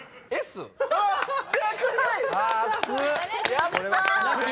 やった！